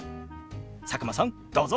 佐久間さんどうぞ！